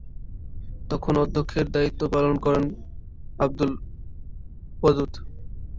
তখন অধ্যক্ষের দায়িত্ব পালন করেন আঃ ওয়াদুদ।